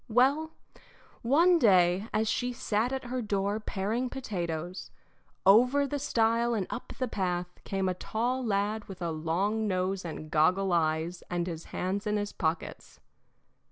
Well, one day, as she sat at her door paring potatoes, over the stile and up the path came a tall lad with a long nose and goggle eyes and his hands in his pockets.